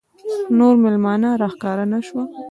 نور مېلمانه راښکاره نه شول.